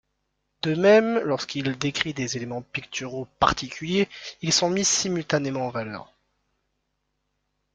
De même, lorsqu’il décrit des éléments picturaux particuliers, ils sont mis simultanément en valeur.